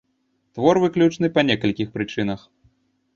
Твор выключны па некалькіх прычынах.